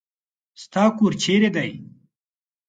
ستا کور چېري دی ؟